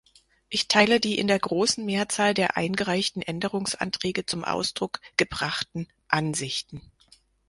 Ich teile die in der großen Mehrzahl der eingereichten Änderungsanträge zum Ausdruck gebrachten Ansichten.